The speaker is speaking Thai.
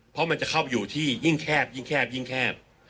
เพราะมันจะเข้าไปอยู่ที่ยิ่งแคบยิ่งแคบยิ่งแคบ